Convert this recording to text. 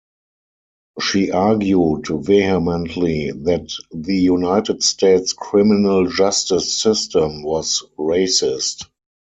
She argued vehemently that the United States criminal justice system was racist.